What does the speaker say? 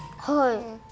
はい。